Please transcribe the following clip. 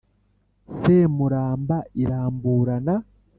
semuramba iramburana,